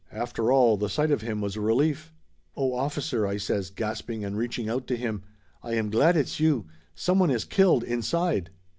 After all, the sight of him was a relief. "Oh, officer!" I says, gasping and reaching out to him. "I am glad it's you. Someone is killed, inside